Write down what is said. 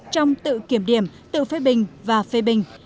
trong tự kiểm điểm tự phê bình và phê bình